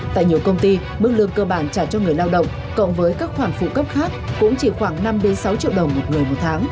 tại nhiều công ty mức lương cơ bản trả cho người lao động cộng với các khoản phụ cấp khác cũng chỉ khoảng năm sáu triệu đồng một người một tháng